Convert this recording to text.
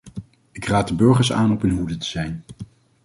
Ik raad de burgers aan op hun hoede te zijn.